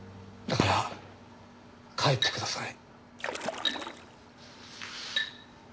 だから帰ってください。